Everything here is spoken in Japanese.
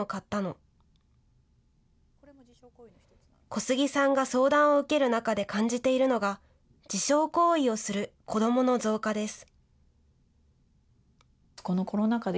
小杉さんが相談を受ける中で感じているのが、自傷行為をする子どもの増加です。